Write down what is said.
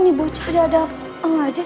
ini bocah dada